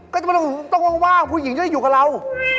ก็ต้องว่างผู้หญิงจะอยู่กับเรา